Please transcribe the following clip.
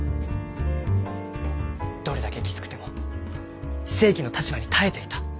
どれだけきつくても非正規の立場に耐えていた。